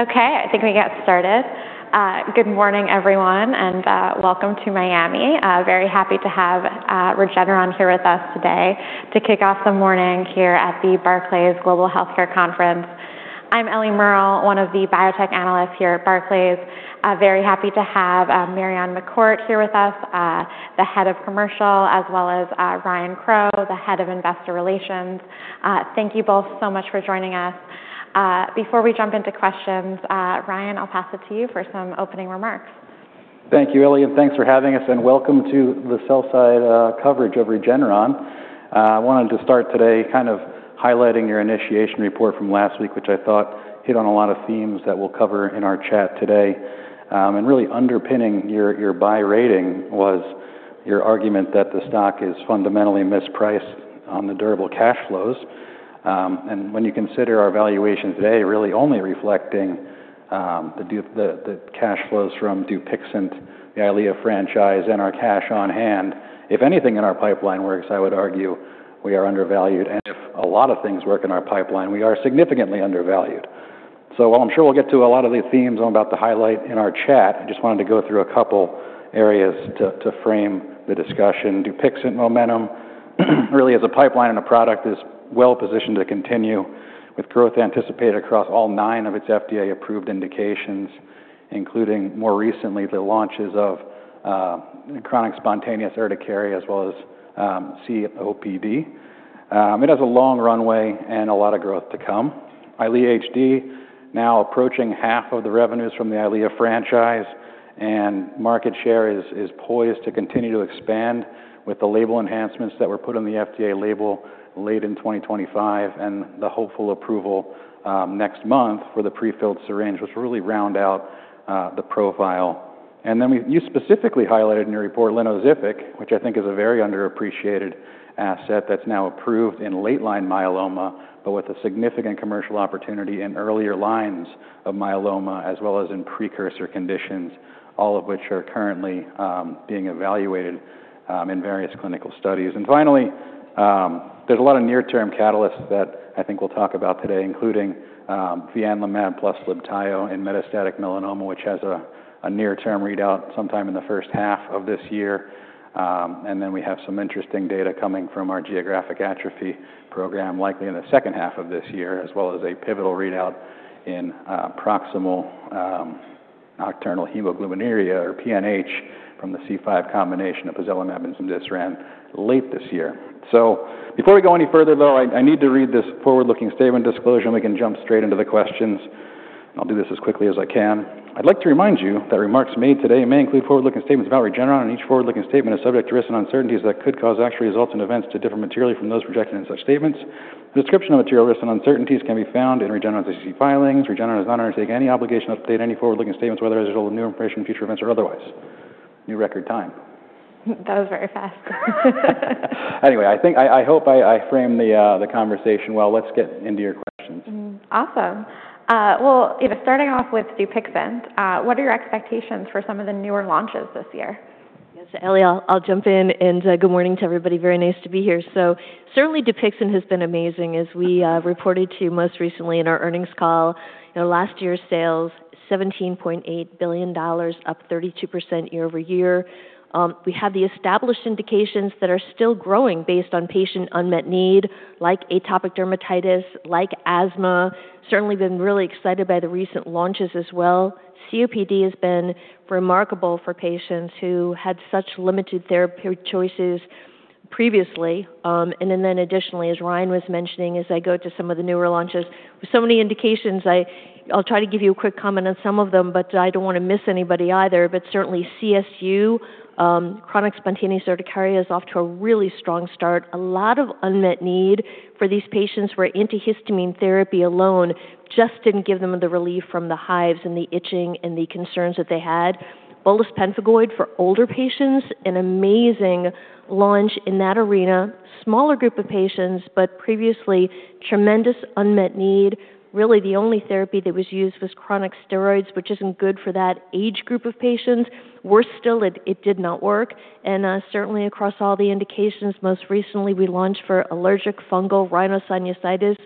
Okay, I think we can get started. Good morning, everyone, and welcome to Miami. Very happy to have Regeneron here with us today to kick off the morning here at the Barclays Global Healthcare Conference. I'm Ellie Merle, one of the Biotech Analysts here at Barclays. Very happy to have Marion McCourt here with us, the Head of Commercial, as well as Ryan Crowe, the Head of Investor Relations. Thank you both so much for joining us. Before we jump into questions, Ryan, I'll pass it to you for some opening remarks. Thank you, Ellie, and thanks for having us, and welcome to the sell-side coverage of Regeneron. I wanted to start today kind of highlighting your initiation report from last week, which I thought hit on a lot of themes that we'll cover in our chat today. Really underpinning your buy rating was your argument that the stock is fundamentally mispriced on the durable cash flows. When you consider our valuation today really only reflecting the cash flows from Dupixent, the EYLEA franchise, and our cash on hand, if anything in our pipeline works, I would argue we are undervalued. If a lot of things work in our pipeline, we are significantly undervalued. While I'm sure we'll get to a lot of these themes I'm about to highlight in our chat, I just wanted to go through a couple areas to frame the discussion. Dupixent momentum really as a pipeline and a product is well-positioned to continue with growth anticipated across all nine of its FDA-approved indications, including more recently the launches of chronic spontaneous urticaria as well as COPD. It has a long runway and a lot of growth to come. EYLEA HD now approaching half of the revenues from the EYLEA franchise and market share is poised to continue to expand with the label enhancements that were put on the FDA label late in 2025 and the hopeful approval next month for the prefilled syringe, which really round out the profile. Then we You specifically highlighted in your report Lynozyfic, which I think is a very underappreciated asset that's now approved in late-line myeloma, but with a significant commercial opportunity in earlier lines of myeloma as well as in precursor conditions, all of which are currently being evaluated in various clinical studies. Finally, there's a lot of near-term catalysts that I think we'll talk about today, including fianlimab plus Libtayo in metastatic melanoma, which has a near-term readout sometime in the first half of this year. We have some interesting data coming from our geographic atrophy program, likely in the second half of this year, as well as a pivotal readout in paroxysmal nocturnal hemoglobinuria, or PNH, from the C5 combination of pozelimab and cemdisiran late this year. Before we go any further though, I need to read this forward-looking statement disclosure, and then we can jump straight into the questions. I'll do this as quickly as I can. I'd like to remind you that remarks made today may include forward-looking statements about Regeneron, and each forward-looking statement is subject to risks and uncertainties that could cause actual results and events to differ materially from those projected in such statements. The description of material risks and uncertainties can be found in Regeneron's SEC filings. Regeneron does not undertake any obligation to update any forward-looking statements, whether as a result of new information, future events or otherwise. New record time. That was very fast. I think I hope I framed the conversation well. Let's get into your questions. Awesome. Well, you know, starting off with Dupixent, what are your expectations for some of the newer launches this year? Yes, Ellie, I'll jump in. Good morning to everybody. Very nice to be here. Certainly Dupixent has been amazing, as we reported to you most recently in our earnings call. You know, last year's sales, $17.8 billion, up 32% year-over-year. We have the established indications that are still growing based on patient unmet need, like atopic dermatitis, like asthma. Certainly been really excited by the recent launches as well. COPD has been remarkable for patients who had such limited therapeutic choices previously. Additionally, as Ryan was mentioning, as I go to some of the newer launches, with so many indications, I'll try to give you a quick comment on some of them, but I don't want to miss anybody either. Certainly CSU, chronic spontaneous urticaria, is off to a really strong start. A lot of unmet need for these patients where antihistamine therapy alone just didn't give them the relief from the hives and the itching and the concerns that they had. Bullous pemphigoid for older patients, an amazing launch in that arena. Smaller group of patients, but previously tremendous unmet need. Really, the only therapy that was used was chronic steroids, which isn't good for that age group of patients. Worse still, it did not work. Certainly across all the indications, most recently we launched for allergic fungal rhinosinusitis.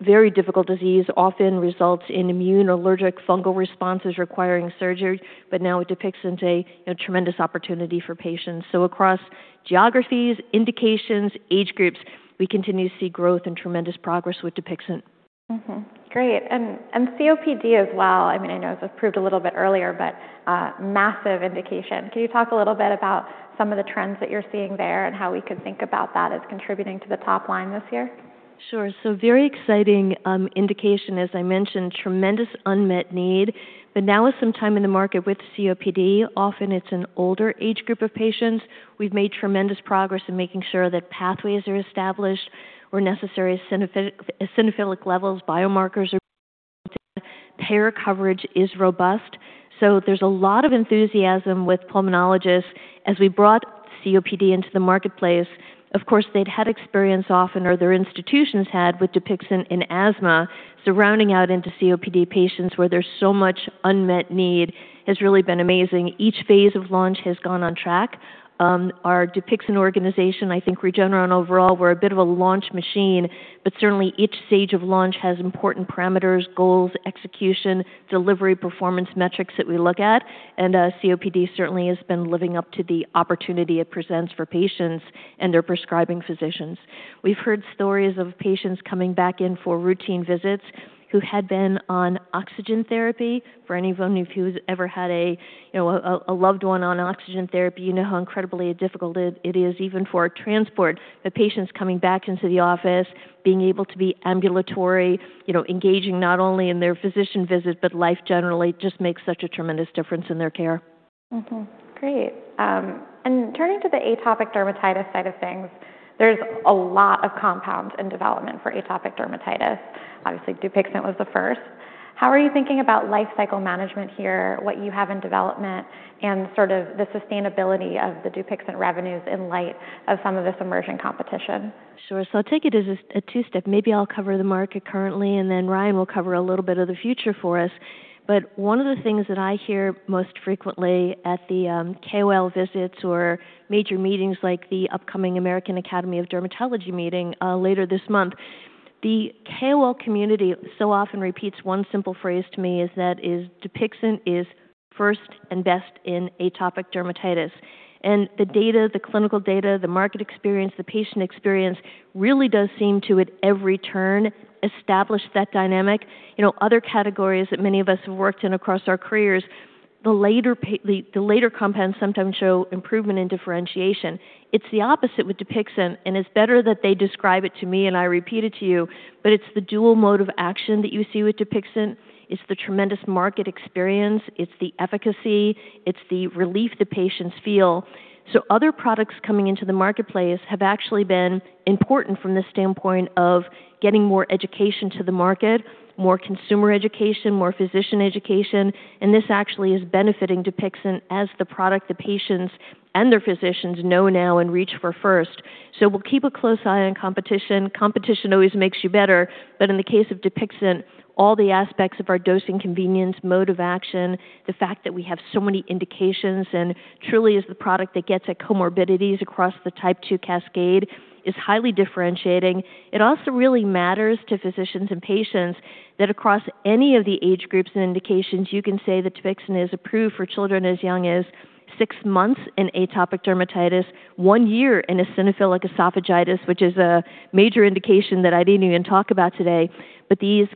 Very difficult disease, often results in immune or allergic fungal responses requiring surgery. Now with Dupixent, you know, tremendous opportunity for patients. Across geographies, indications, age groups, we continue to see growth and tremendous progress with Dupixent. Mm-hmm. Great. COPD as well, I mean, I know it was approved a little bit earlier, but massive indication. Can you talk a little bit about some of the trends that you're seeing there and how we could think about that as contributing to the top line this year? Sure. Very exciting indication. As I mentioned, tremendous unmet need. Now with some time in the market with COPD, often it's an older age group of patients. We've made tremendous progress in making sure that pathways are established where necessary. Eosinophilic levels, biomarkers are. Mm-hmm. Payer coverage is robust. There's a lot of enthusiasm with pulmonologists as we brought COPD into the marketplace. Of course, they'd had experience often, or their institutions had, with Dupixent in asthma. Rounding out into COPD patients where there's so much unmet need has really been amazing. Each phase of launch has gone on track. Our Dupixent organization, I think Regeneron overall, we're a bit of a launch machine, but certainly each stage of launch has important parameters, goals, execution, delivery, performance metrics that we look at. COPD certainly has been living up to the opportunity it presents for patients and their prescribing physicians. We've heard stories of patients coming back in for routine visits who had been on oxygen therapy. For any of you who's ever had a loved one on oxygen therapy, you know how incredibly difficult it is even for transport. The patients coming back into the office, being able to be ambulatory, you know, engaging not only in their physician visit, but life generally, just makes such a tremendous difference in their care. Turning to the atopic dermatitis side of things, there's a lot of compounds in development for atopic dermatitis. Obviously, Dupixent was the first. How are you thinking about life cycle management here, what you have in development, and sort of the sustainability of the Dupixent revenues in light of some of this emerging competition? Sure. I'll take it as a two-step. Maybe I'll cover the market currently, and then Ryan will cover a little bit of the future for us. One of the things that I hear most frequently at the KOL visits or major meetings like the upcoming American Academy of Dermatology meeting later this month, the KOL community so often repeats one simple phrase to me is that, "Dupixent is first and best in atopic dermatitis." The data, the clinical data, the market experience, the patient experience really does seem to, at every turn, establish that dynamic. You know, other categories that many of us have worked in across our careers, the later compounds sometimes show improvement in differentiation. It's the opposite with Dupixent, and it's better that they describe it to me and I repeat it to you, but it's the dual mode of action that you see with Dupixent. It's the tremendous market experience. It's the efficacy. It's the relief the patients feel. Other products coming into the marketplace have actually been important from the standpoint of getting more education to the market, more consumer education, more physician education, and this actually is benefiting Dupixent as the product the patients and their physicians know now and reach for first. We'll keep a close eye on competition. Competition always makes you better. In the case of Dupixent, all the aspects of our dosing convenience, mode of action, the fact that we have so many indications and truly is the product that gets at comorbidities across the type two cascade, is highly differentiating. It also really matters to physicians and patients that across any of the age groups and indications, you can say that Dupixent is approved for children as young as six months in atopic dermatitis, one year in eosinophilic esophagitis, which is a major indication that I didn't even talk about today. These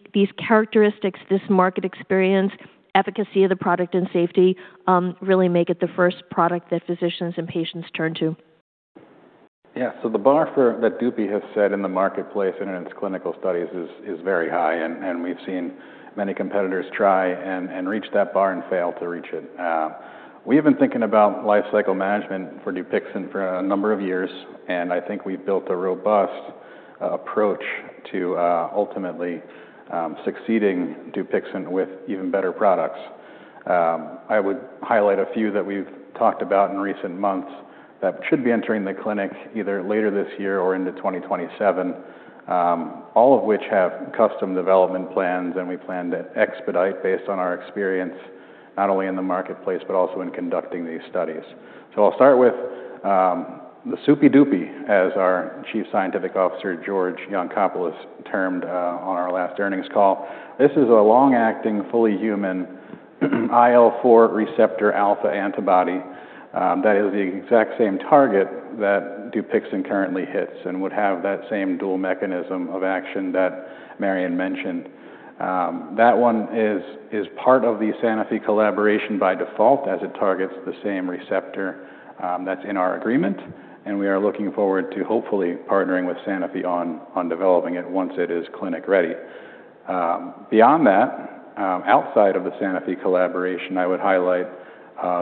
characteristics, this market experience, efficacy of the product, and safety really make it the first product that physicians and patients turn to. Yeah. The bar for that Dupi has set in the marketplace and in its clinical studies is very high, and we've seen many competitors try and reach that bar and fail to reach it. We have been thinking about life cycle management for Dupixent for a number of years, and I think we've built a robust approach to ultimately succeeding Dupixent with even better products. I would highlight a few that we've talked about in recent months that should be entering the clinic either later this year or into 2027, all of which have custom development plans, and we plan to expedite based on our experience, not only in the marketplace, but also in conducting these studies. I'll start with the Super Dupie, as our Chief Scientific Officer, George Yancopoulos, termed on our last earnings call. This is a long-acting, fully human IL-4 receptor alpha antibody, that is the exact same target that Dupixent currently hits and would have that same dual mechanism of action that Marion mentioned. That one is part of the Sanofi collaboration by default, as it targets the same receptor, that's in our agreement, and we are looking forward to hopefully partnering with Sanofi on developing it once it is clinic ready. Beyond that, outside of the Sanofi collaboration, I would highlight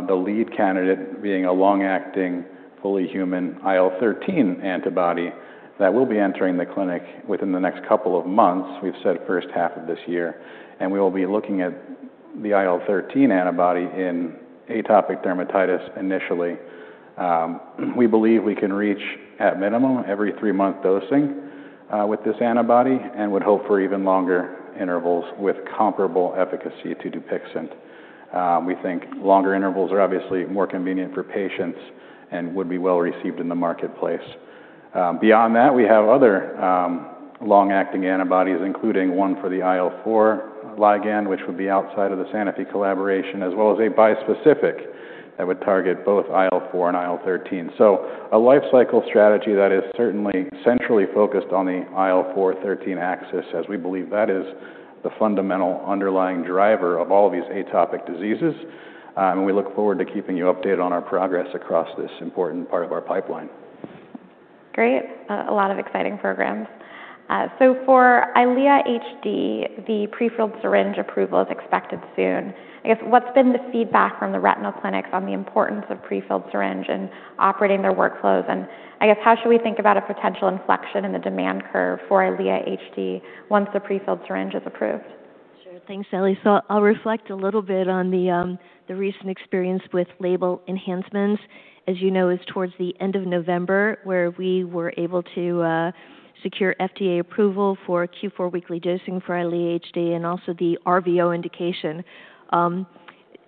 the lead candidate being a long-acting, fully human IL-13 antibody that will be entering the clinic within the next couple of months. We've said first half of this year, and we will be looking at the IL-13 antibody in atopic dermatitis initially. We believe we can reach at minimum every three-month dosing with this antibody and would hope for even longer intervals with comparable efficacy to Dupixent. We think longer intervals are obviously more convenient for patients and would be well received in the marketplace. Beyond that, we have other long-acting antibodies, including one for the IL-4 ligand, which would be outside of the Sanofi collaboration, as well as a bispecific that would target both IL-4 and IL-13. A life cycle strategy that is certainly centrally focused on the IL-4/13 axis, as we believe that is the fundamental underlying driver of all of these atopic diseases, and we look forward to keeping you updated on our progress across this important part of our pipeline. Great. A lot of exciting programs. For EYLEA HD, the prefilled syringe approval is expected soon. I guess, what's been the feedback from the retinal clinics on the importance of prefilled syringe in operating their workflows? I guess, how should we think about a potential inflection in the demand curve for EYLEA HD once the prefilled syringe is approved? Thanks, Sally. I'll reflect a little bit on the recent experience with label enhancements. As you know, it's towards the end of November where we were able to secure FDA approval for Q4 weekly dosing for EYLEA HD and also the RVO indication.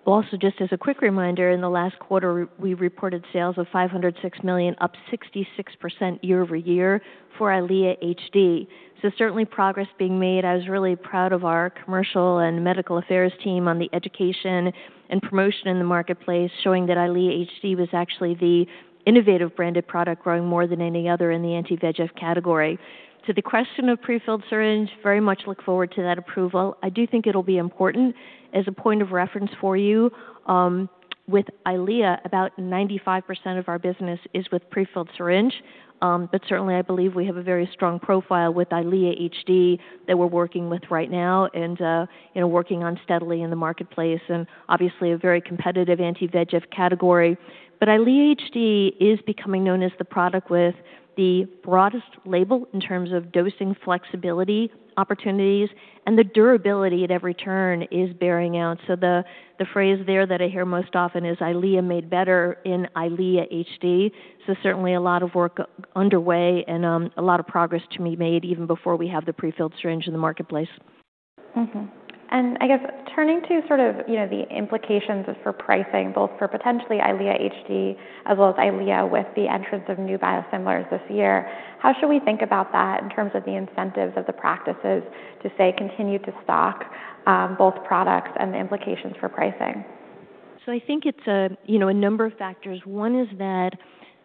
Also just as a quick reminder, in the last quarter, we reported sales of $506 million, up 66% year-over-year for EYLEA HD. Certainly progress being made. I was really proud of our commercial and medical affairs team on the education and promotion in the marketplace, showing that EYLEA HD was actually the innovative branded product growing more than any other in the anti-VEGF category. To the question of prefilled syringe, very much look forward to that approval. I do think it'll be important. As a point of reference for you, with EYLEA, about 95% of our business is with prefilled syringe. Certainly I believe we have a very strong profile with EYLEA HD that we're working with right now and, you know, working on steadily in the marketplace and obviously a very competitive anti-VEGF category. EYLEA HD is becoming known as the product with the broadest label in terms of dosing flexibility opportunities and the durability at every turn is bearing out. The phrase there that I hear most often is EYLEA made better in EYLEA HD. Certainly a lot of work underway and, a lot of progress to be made even before we have the prefilled syringe in the marketplace. I guess turning to sort of, you know, the implications for pricing, both for potentially EYLEA HD as well as EYLEA with the entrance of new biosimilars this year, how should we think about that in terms of the incentives of the practices to, say, continue to stock both products and the implications for pricing? I think it's a you know number of factors. One is that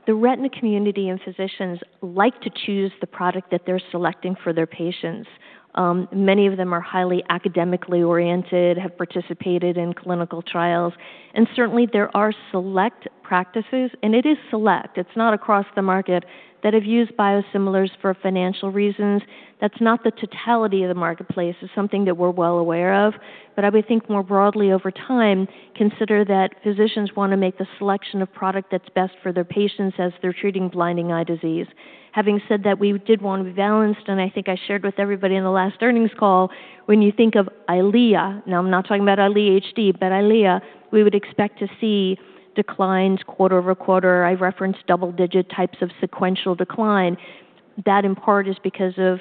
the retina community and physicians like to choose the product that they're selecting for their patients. Many of them are highly academically oriented, have participated in clinical trials. Certainly there are select practices, and it is select, it's not across the market, that have used biosimilars for financial reasons. That's not the totality of the marketplace. It's something that we're well aware of. I would think more broadly over time, consider that physicians want to make the selection of product that's best for their patients as they're treating blinding eye disease. Having said that, we did one with Vabysmo, and I think I shared with everybody in the last earnings call, when you think of EYLEA, now I'm not talking about EYLEA HD, but EYLEA, we would expect to see declines quarter-over-quarter. I referenced double-digit types of sequential decline. That in part is because of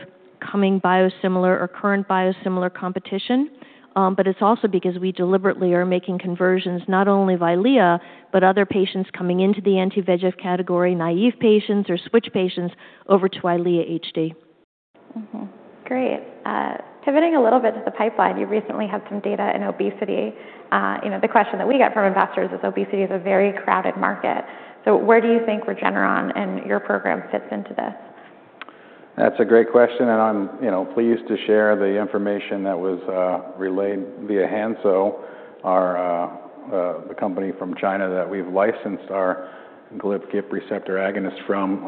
coming biosimilar or current biosimilar competition. But it's also because we deliberately are making conversions not only of EYLEA, but other patients coming into the anti-VEGF category, naive patients or switch patients over to EYLEA HD. Great. Pivoting a little bit to the pipeline, you recently had some data in obesity. You know, the question that we get from investors is obesity is a very crowded market. Where do you think Regeneron and your program fits into this? That's a great question, and I'm, you know, pleased to share the information that was relayed via Hansoh, the company from China that we've licensed our GLP-1 receptor agonist from,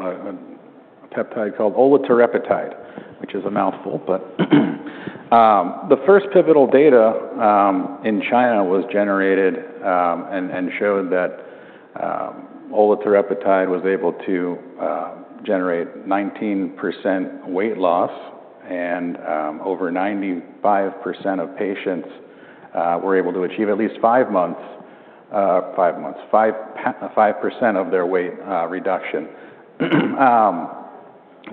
a peptide called olatorepatide, which is a mouthful. The first pivotal data in China was generated and showed that olatorepatide was able to generate 19% weight loss and over 95% of patients were able to achieve at least 5% of their weight reduction.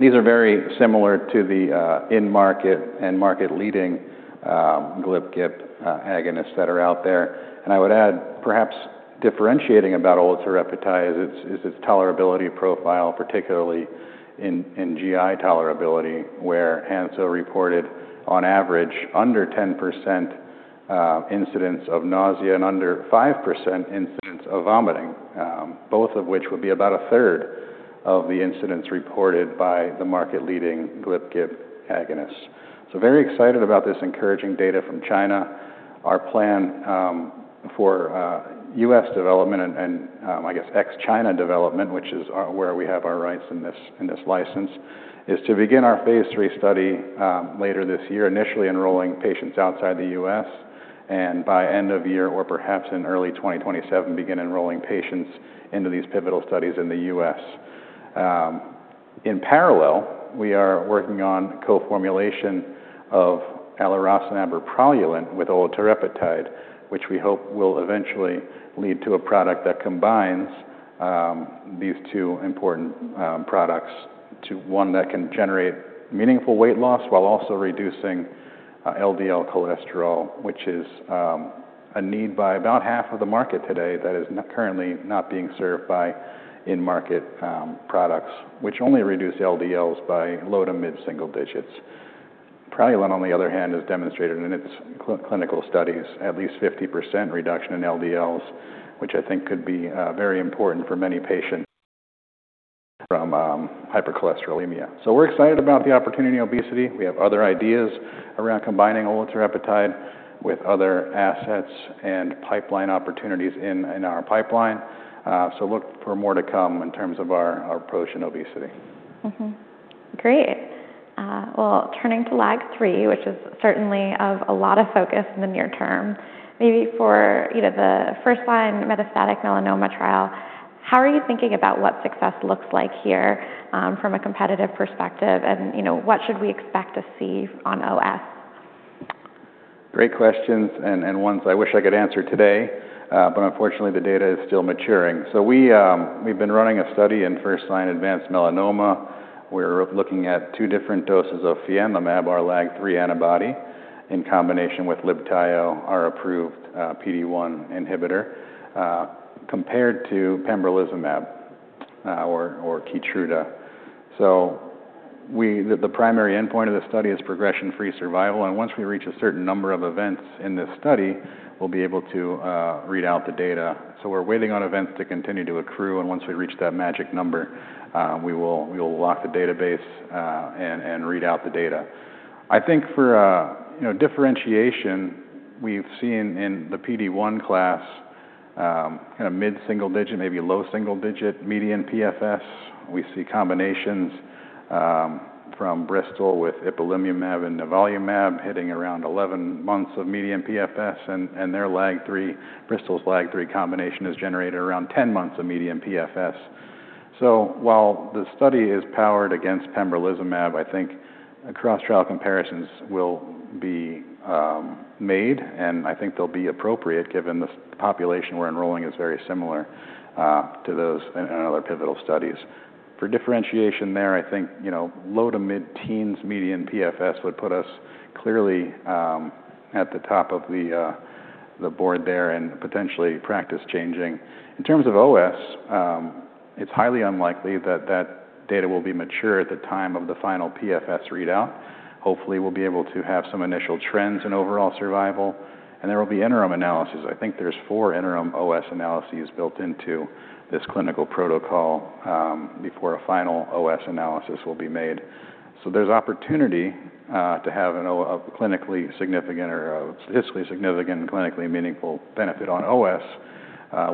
These are very similar to the in-market and market-leading GLP-1 agonists that are out there. I would add perhaps differentiating about olatorepatide is its tolerability profile, particularly in GI tolerability, where Hansoh reported on average under 10% incidence of nausea and under 5% incidence of vomiting, both of which would be about a third of the incidence reported by the market-leading GLP-1 agonists. Very excited about this encouraging data from China. Our plan for U.S. development and I guess ex-China development, which is where we have our rights in this license, is to begin our Phase III study later this year, initially enrolling patients outside the U.S., and by end of year or perhaps in early 2027, begin enrolling patients into these pivotal studies in the U.S. In parallel, we are working on co-formulation of alirocumab or Praluent with olatorepatide, which we hope will eventually lead to a product that combines these two important products to one that can generate meaningful weight loss while also reducing LDL cholesterol, which is a need by about half of the market today that is currently not being served by in-market products, which only reduce LDLs by low to mid-single digits. Praluent, on the other hand, has demonstrated in its clinical studies at least 50% reduction in LDLs, which I think could be very important for many patients from hypercholesterolemia. We're excited about the opportunity in obesity. We have other ideas around combining olatorepatide with other assets and pipeline opportunities in our pipeline. Look for more to come in terms of our approach in obesity. Mm-hmm. Great. Well, turning to LAG-3, which is certainly of a lot of focus in the near term, maybe for, you know, the first-line metastatic melanoma trial. How are you thinking about what success looks like here, from a competitive perspective and, you know, what should we expect to see on OS? Great questions and ones I wish I could answer today, but unfortunately the data is still maturing. We've been running a study in first-line advanced melanoma. We're looking at two different doses of fianlimab, our LAG-3 antibody, in combination with Libtayo, our approved PD-1 inhibitor, compared to pembrolizumab or Keytruda. The primary endpoint of the study is progression-free survival, and once we reach a certain number of events in this study, we'll be able to read out the data. We're waiting on events to continue to accrue, and once we reach that magic number, we will lock the database and read out the data. I think for you know, differentiation, we've seen in the PD-1 class, kinda mid-single digit, maybe low single-digit median PFS. We see combinations from Bristol with ipilimumab and nivolumab hitting around 11 months of median PFS and their LAG-3, Bristol's LAG-3 combination has generated around 10 months of median PFS. While the study is powered against pembrolizumab, I think cross-trial comparisons will be made, and I think they'll be appropriate given the population we're enrolling is very similar to those in other pivotal studies. For differentiation there, I think you know low to mid-teens median PFS would put us clearly at the top of the board there and potentially practice-changing. In terms of OS, it's highly unlikely that data will be mature at the time of the final PFS readout. Hopefully, we'll be able to have some initial trends in overall survival, and there will be interim analysis. I think there's four interim OS analyses built into this clinical protocol, before a final OS analysis will be made. There's opportunity to have a clinically significant or a statistically significant and clinically meaningful benefit on OS,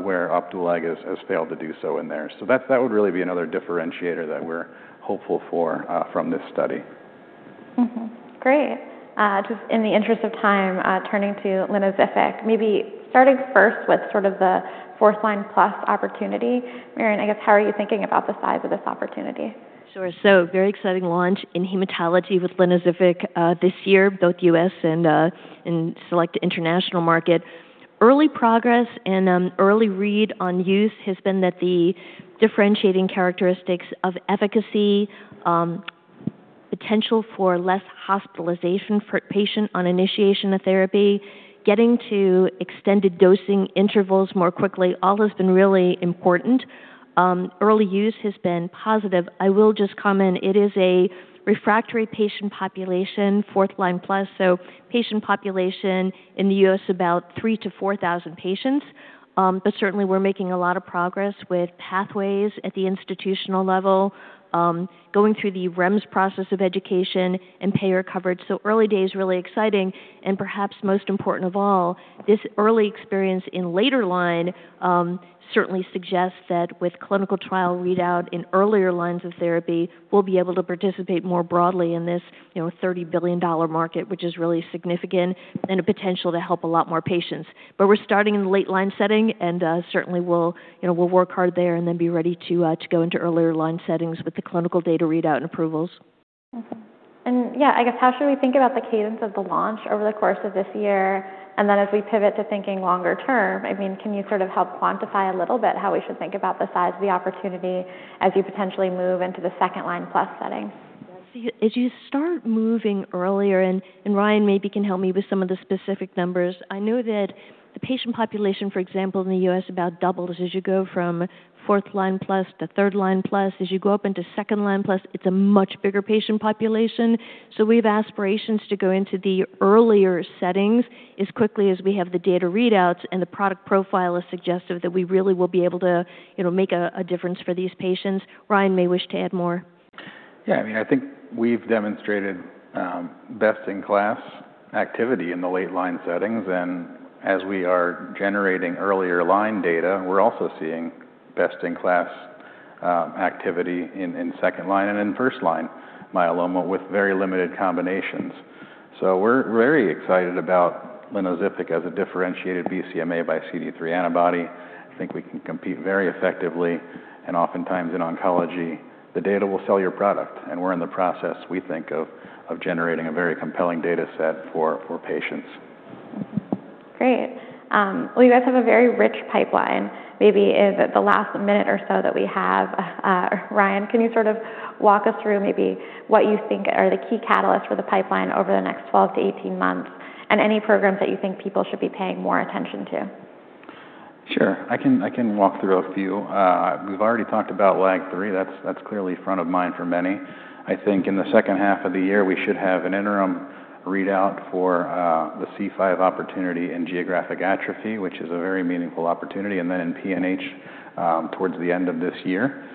where Opdualag has failed to do so in there. That would really be another differentiator that we're hopeful for from this study. Mm-hmm. Great. Just in the interest of time, turning to Lynozyfic, maybe starting first with sort of the fourth-line-plus opportunity. Marion, I guess, how are you thinking about the size of this opportunity? Sure. Very exciting launch in hematology with Lynozyfic this year, both U.S. and in select international market. Early progress and early read on use has been that the differentiating characteristics of efficacy, potential for less hospitalization for patient on initiation of therapy, getting to extended dosing intervals more quickly, all has been really important. Early use has been positive. I will just comment, it is a refractory patient population, fourth line plus, so patient population in the U.S., about 3,000-4,000 patients. Certainly we're making a lot of progress with pathways at the institutional level, going through the REMS process of education and payer coverage. Early days, really exciting, and perhaps most important of all, this early experience in later line certainly suggests that with clinical trial readout in earlier lines of therapy, we'll be able to participate more broadly in this, you know, $30 billion market, which is really significant and a potential to help a lot more patients. We're starting in the late-line setting, and certainly we'll you know work hard there and then be ready to go into earlier line settings with the clinical data readout and approvals. Mm-hmm. Yeah, I guess how should we think about the cadence of the launch over the course of this year? Then as we pivot to thinking longer term, I mean, can you sort of help quantify a little bit how we should think about the size of the opportunity as you potentially move into the second line plus setting? as you start moving earlier, and Ryan maybe can help me with some of the specific numbers, I know that the patient population, for example, in the U.S. about doubles as you go from fourth line plus to third line plus. As you go up into second line plus, it's a much bigger patient population. we have aspirations to go into the earlier settings as quickly as we have the data readouts and the product profile is suggestive that we really will be able to, you know, make a difference for these patients. Ryan may wish to add more. Yeah, I mean, I think we've demonstrated best-in-class activity in the late line settings, and as we are generating earlier line data, we're also seeing best-in-class activity in second line and in first line myeloma with very limited combinations. We're very excited about Lynozyfic as a differentiated BCMA by CD3 antibody. I think we can compete very effectively, and oftentimes in oncology, the data will sell your product, and we're in the process, we think, of generating a very compelling data set for patients. Great. Well, you guys have a very rich pipeline. Maybe in the last minute or so that we have, Ryan, can you sort of walk us through maybe what you think are the key catalysts for the pipeline over the next 12-18 months and any programs that you think people should be paying more attention to? Sure. I can walk through a few. We've already talked about LAG-3. That's clearly front of mind for many. I think in the second half of the year, we should have an interim readout for the C5 opportunity in geographic atrophy, which is a very meaningful opportunity, and then in PNH towards the end of this year.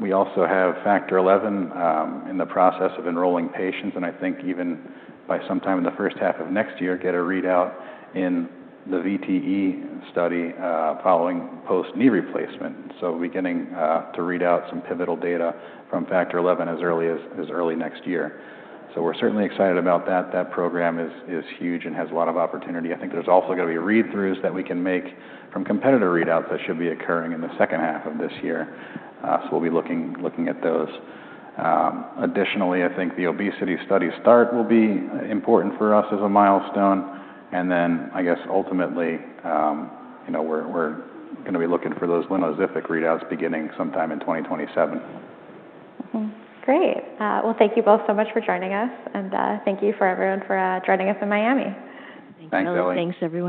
We also have Factor XI in the process of enrolling patients, and I think even by sometime in the first half of next year, get a readout in the VTE study following post-knee replacement. Beginning to read out some pivotal data from Factor XI as early as early next year. We're certainly excited about that. That program is huge and has a lot of opportunity. I think there's also gonna be read-throughs that we can make from competitor readouts that should be occurring in the second half of this year. We'll be looking at those. Additionally, I think the obesity study start will be important for us as a milestone. Then I guess ultimately, you know, we're gonna be looking for those Lynozyfic readouts beginning sometime in 2027. Mm-hmm. Great. Well, thank you both so much for joining us, and thank you to everyone for joining us in Miami. Thanks, Ellie. Thanks, everyone.